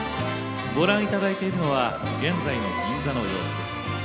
ご覧いただいているのは現在の銀座の様子です。